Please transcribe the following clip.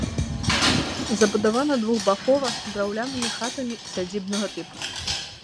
Забудавана двухбакова драўлянымі хатамі сядзібнага тыпу.